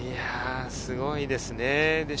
すごいですね。